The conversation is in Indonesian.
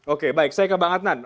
oke baik saya ke bang adnan